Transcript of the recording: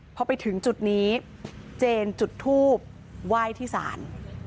พอไปถึงจุดนี้เจนจุดทูบไหว้ที่ศาล